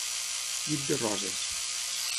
Llit de roses.